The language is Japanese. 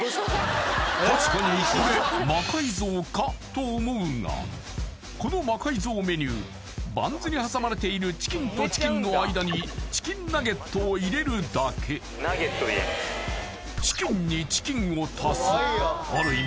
確かにこれ魔改造か？と思うがこの魔改造メニューバンズに挟まれているチキンとチキンの間にチキンナゲットを入れるだけチキンにチキンを足すある意味